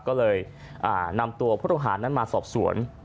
ก็เลยนำตัวผู้ต้องหานั้นมาสอบสวน